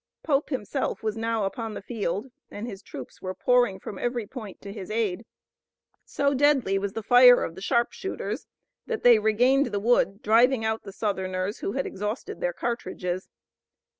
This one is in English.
Pope himself was now upon the field and his troops were pouring from every point to his aid. So deadly was the fire of the sharpshooters that they regained the wood, driving out the Southerners who had exhausted their cartridges.